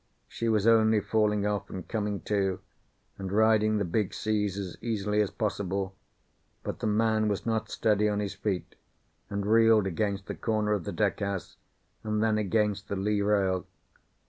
She was only falling off and coming to, and riding the big seas as easily as possible, but the man was not steady on his feet and reeled against the corner of the deck house and then against the lee rail.